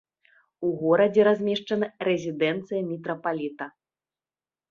У горадзе размешчана рэзідэнцыя мітрапаліта.